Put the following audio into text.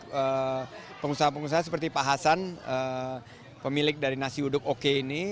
jadi pengusaha pengusaha seperti pak hasan pemilik dari nasi uduk ok ini